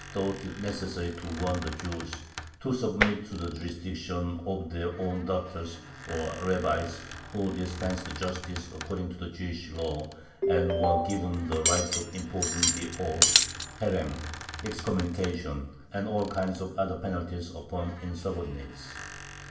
thought it necessary to warn the Jews to submit to the jurisdiction of their own "doctors," or rabbis, who dispensed justice according to the "Jewish law," and were given the right of imposing the "oath" (herem, excommunication) and all kinds of other penalties upon insubordinates.